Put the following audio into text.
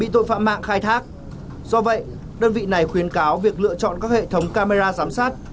do vậy đơn vị này khuyến cáo việc lựa chọn các hệ thống camera giám sát